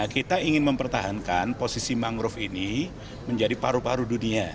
kita ingin mempertahankan posisi mangrove ini menjadi paru paru dunia